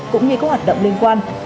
cũng như các hoạt động liên quan